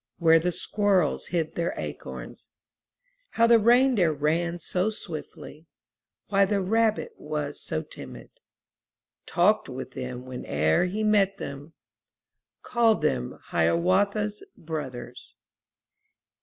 Where the squirrels hid their acorns. How the reindeer ran so swiftly. Why the rabbit was so timid, Talked with them whene'er he met them, Called them "Hiawatha's Brothers."